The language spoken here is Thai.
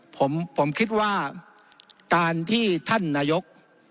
ผมคิดว่าการที่ท่านนายก